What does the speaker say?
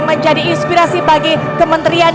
menjadi inspirasi bagi kementerian